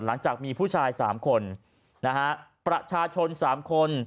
หลังจากมีผู้ชาย๓คนนะฮะประชาชนสามคน